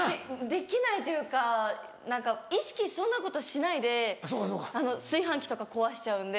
できないというか何か意識そんなことしないで炊飯器とか壊しちゃうんで。